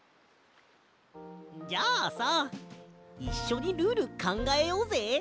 じゃあさいっしょにルールかんがえようぜ！